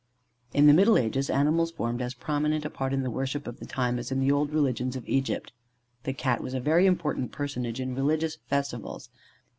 In the middle ages, animals formed as prominent a part in the worship of the time as in the old religion of Egypt. The Cat was a very important personage in religious festivals.